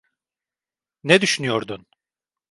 Ne düşünüyordun?